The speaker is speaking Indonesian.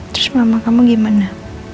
terus mama kamu gimana